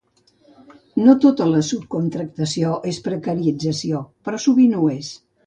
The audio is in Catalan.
No tota la subcontractació és precarització, però sovint ho és.